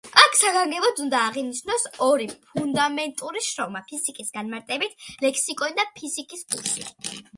აქ საგანგებოდ უნდა აღინიშნოს ორი ფუნდამენტური შრომა: ფიზიკის განმარტებით ლექსიკონი და ფიზიკის კურსი.